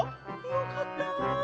よかった。